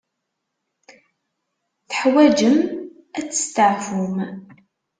Teḥwaǧem ad testeɛfum.